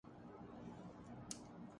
وہ دوسروں پر انحصار کرنے کی ذہنیت ہے۔